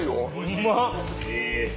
うまっ。